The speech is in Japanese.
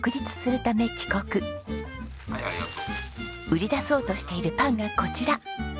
売り出そうとしているパンがこちら。